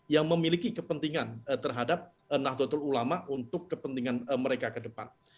yang memiliki kepentingan terhadap nahdlatul ulama untuk kepentingan mereka ke depan